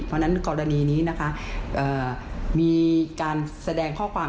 เพราะฉะนั้นกรณีนี้นะคะมีการแสดงข้อความ